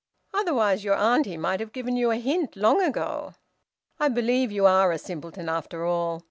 "Otherwise your auntie might have given you a hint long ago. I believe you are a simpleton after all!